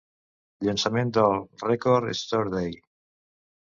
Llançament del "Record Store Day".